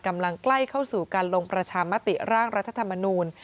ใกล้เข้าสู่การลงประชามติร่างรัฐธรรมนูล